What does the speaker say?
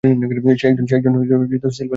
সে একজন Silver Lake বামপন্থী।